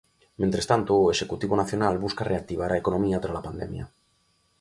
Mentres tanto, o Executivo nacional busca reactivar a economía trala pandemia.